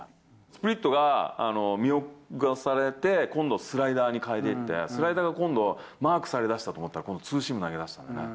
スプリットが見逃されて、今度、スライダーにかえていって、スライダーが今度、マークされだしたと思ったら、今度、ツーシーム投げだしたんだよね。